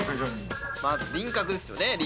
まず輪郭ですよね。